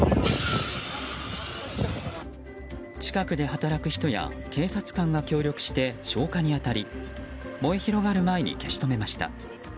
近くで働く人や警察官が協力して消火に当たり燃え広がる前に消し止めました。